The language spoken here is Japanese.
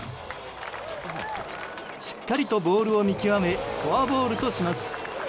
しっかりとボールを見極めフォアボールとします。